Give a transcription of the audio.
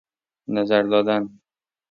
نظر دادن